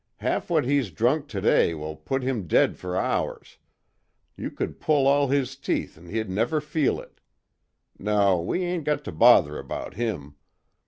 Half what he's drunk today will put him dead fer hours. You could pull all his teeth an' he'd never feel it. No, we ain't got to bother about him.